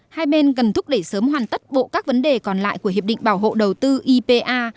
hai bên cần thúc đẩy sớm hoàn tất bộ các vấn đề còn lại của hiệp định bảo hộ đầu tư ipa